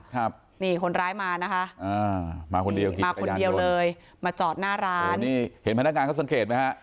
ครับนี่คนร้ายมานะคะอ่ามาคนเดียวมาคนเดียวเลยมาจอดหน้าร้านนี่เห็นพนักงานเขาสังเกตไหมฮะ